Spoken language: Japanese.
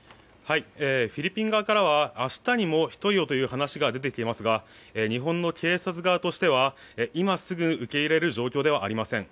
フィリピン側からは明日にも１人をという話が出てきていますが日本の警察側としては、今すぐ受け入れる状況ではありません。